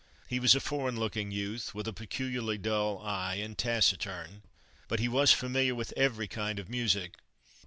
He was a foreign looking youth, with a peculiarly dull eye, and taciturn, but he was familiar with every kind of music.